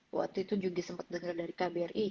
waktu itu juga sempet denger dari kbri